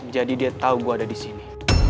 jadi dia tau gue ada di sini